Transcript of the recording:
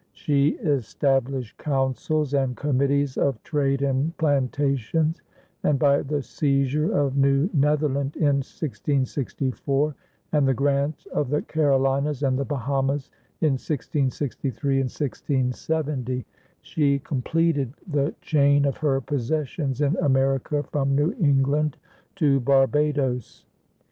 She established councils and committees of trade and plantations, and, by the seizure of New Netherland in 1664 and the grant of the Carolinas and the Bahamas in 1663 and 1670, she completed the chain of her possessions in America from New England to Barbados.